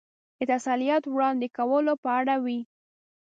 د تسلیت وړاندې کولو په اړه وې.